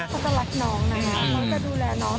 เขาจะรักน้องนะคะเขาจะดูแลน้อง